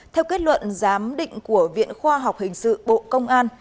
theo kết luận giám định của viện khoa học hình sự bộ công an